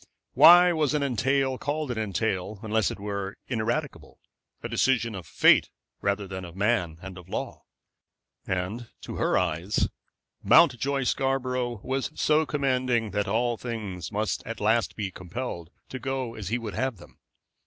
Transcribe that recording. Why was an entail called an entail unless it were ineradicable, a decision of fate rather than of man and of law? And to her eyes Mountjoy Scarborough was so commanding that all things must at last be compelled to go as he would have them.